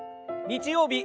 日曜日